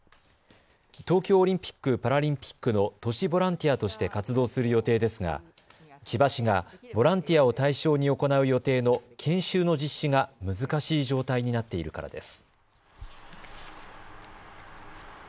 東京オリンピック・パラリンピックの都市ボランティアとして活動する予定ですが千葉市がボランティアを対象に行う予定の研修の実施が難しい状態になっているからです。